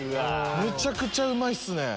めちゃくちゃうまいっすね。